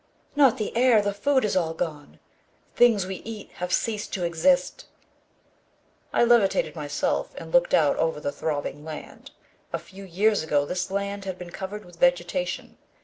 "Not the air. The food is all gone. Things we eat have ceased to exist." I levitated myself and looked out over the throbbing land. A few years ago, this land had been covered with vegetation.